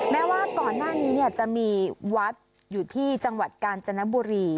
แม้ว่าก่อนหน้านี้จะมีวัดอยู่ที่จังหวัดกาญจนบุรี